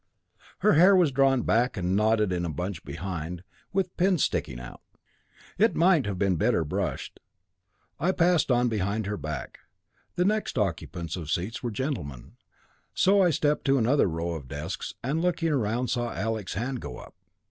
Her hair was drawn back and knotted in a bunch behind, with the pins sticking out. It might have been better brushed. I passed on behind her back; the next occupants of seats were gentlemen, so I stepped to another row of desks, and looking round saw Alec's hand go up.